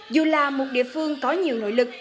dù là một địa phương có nhiều nội lực